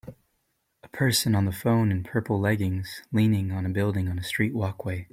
A person on the phone in purple leggings, leaning on a building on a street walkway.